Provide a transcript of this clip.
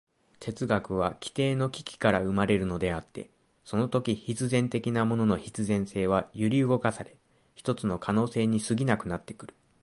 哲学は基底の危機から生まれるのであって、そのとき必然的なものの必然性は揺り動かされ、ひとつの可能性に過ぎなくなってくる。